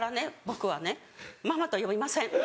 僕はね『ママ』と呼びません